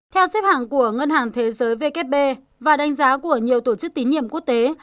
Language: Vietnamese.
theo xếp hạng của ngân hàng thế giới vkp và đánh giá của nhiều tổ chức tín nhiệm quốc tế